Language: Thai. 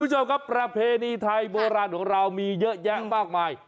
คุณผู้ชมครับประเพณีไทยโบราณของเรามีเยอะแยะมากมาย